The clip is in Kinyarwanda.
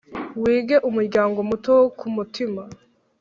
wige umuryango muto wo kumutima.